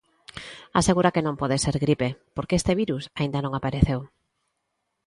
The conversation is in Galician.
Asegura que non pode ser gripe, porque este virus aínda non apareceu.